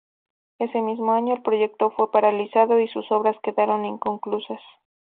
Ese mismo año, el proyecto fue paralizado y sus obras quedaron inconclusas.